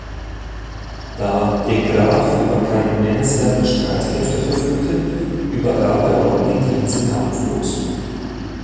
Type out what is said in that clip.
Da de Graaff über keine nennenswerten Streitkräfte verfügte, übergab er Rodney die Insel kampflos.